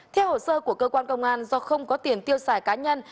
theo hồ sơ của cơ quan công an do không có tiền tiêu xài cá nhân